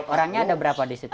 orangnya ada berapa di situ